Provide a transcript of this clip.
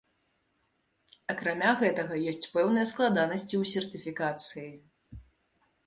Акрамя гэтага ёсць пэўныя складанасці ў сертыфікацыі.